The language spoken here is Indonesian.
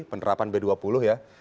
penerapan b dua puluh ya